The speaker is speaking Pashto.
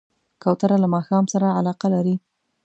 کوتره له ماښام سره علاقه لري.